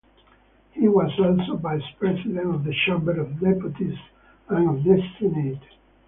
He was also vice president of the Chamber of Deputies and of the Senate.